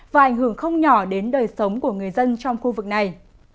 và ảnh hưởng không nhỏ đến đời sống của người dân trong khu vực này